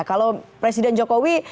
kalau presiden jokowi